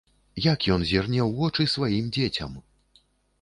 Як ён зірне ў вочы сваім дзецям?